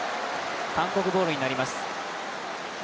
韓国ボールになります。